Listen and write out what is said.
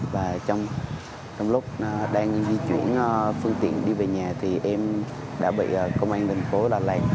và trong lúc đang di chuyển phương tiện đi về nhà thì em đã bị công an thành phố đà lạt